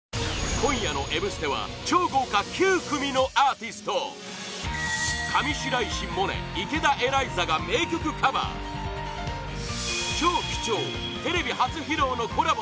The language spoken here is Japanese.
今夜の「Ｍステ」は超豪華９組のアーティスト上白石萌音、池田エライザが名曲カバー超貴重テレビ初披露のコラボ